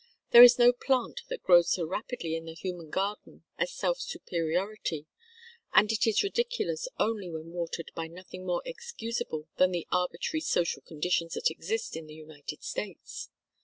There is no plant that grows so rapidly in the human garden as self superiority, and it is ridiculous only when watered by nothing more excusable than the arbitrary social conditions that exist in the United States.